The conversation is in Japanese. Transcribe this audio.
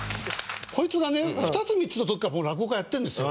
こいつがね２つ３つの時から僕落語家やってるんですよ。